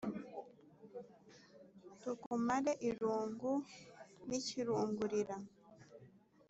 tukumare irungu n’ikirungurira